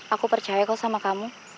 aku percaya kok sama kamu